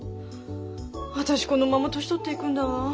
私このまま年取っていくんだわ。